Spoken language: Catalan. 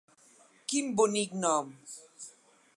Quin bonic nom!